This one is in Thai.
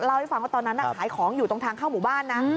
เล่าให้ฟังว่าตอนนั้นขายของอยู่ตรงทางเข้าหมู่บ้านนะ